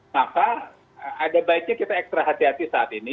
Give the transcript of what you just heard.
maka ada baiknya kita ekstra hati hati saat ini